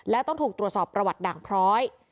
และต้องถูกตรวจสอบประวัติด่างพร้อย